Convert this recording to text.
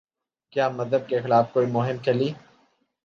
کیا مذہب کے خلاف کوئی مہم چلی؟